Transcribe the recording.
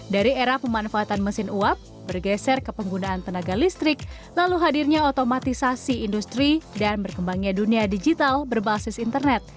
dari era pemanfaatan mesin uap bergeser ke penggunaan tenaga listrik lalu hadirnya otomatisasi industri dan berkembangnya dunia digital berbasis internet